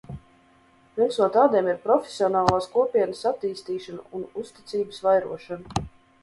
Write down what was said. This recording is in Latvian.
Viens no tādiem ir profesionālās kopienas attīstīšana un uzticības vairošana.